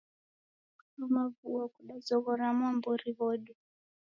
Kushoma vuo kudazoghora mwambori wodu.